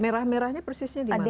merah merahnya persisnya dimana sih